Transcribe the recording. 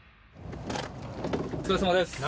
お疲れさまです何？